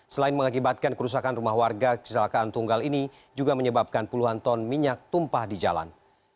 selain mengakibatkan kerusakan rumah warga kecelakaan tunggal ini juga menyebabkan puluhan ton minyak tumpah di jalan